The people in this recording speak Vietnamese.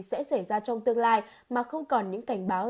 sẽ xảy ra trong tương lai mà không còn những cảnh báo